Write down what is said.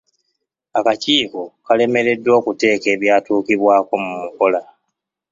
Akikiiko kalemereddwa okuteeka ebyatuukibwako mu nkola.